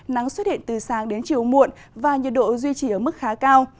nắng xuất hiện từ sáng đến chiều muộn và nhiệt độ duy trì ở mức khá cao